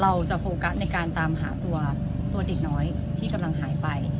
โฟกัสในการตามหาตัวเด็กน้อยที่กำลังหายไป